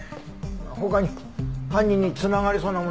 他に犯人に繋がりそうなものはなかったの？